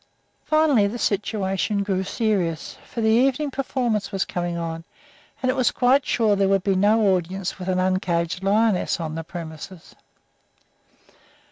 Finally, the situation grew serious, for the evening performance was coming on, and it was quite sure there would be no audience with an uncaged lioness on the premises.